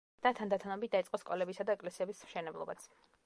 და თანდათანობით დაიწყო სკოლებისა და ეკლესიების მშენებლობაც.